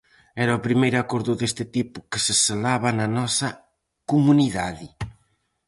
Era o primeiro acordo deste tipo que se selaba na nosa comunidade.